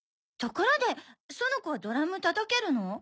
ところで園子はドラム叩けるの？